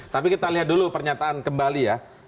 tapi kita lihat dulu pernyataan kembali ya